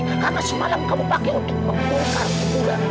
karena semalam kamu pakai untuk mempunyai